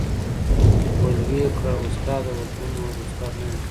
ول وې کړه ، استاده ، ورته ومي ویل استاد نه یم ،